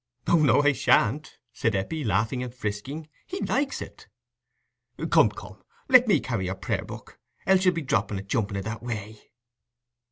"Oh, no, I shan't," said Eppie, laughing and frisking; "he likes it." "Come, come, let me carry your prayer book, else you'll be dropping it, jumping i' that way."